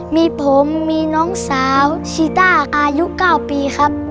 มีผมมีน้องสาวชีต้าอายุ๙ปีครับ